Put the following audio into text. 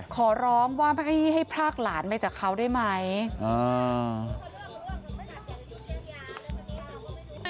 ขอร้องว่าไม่ให้ให้พรากหลานไปจากเขาได้ไหม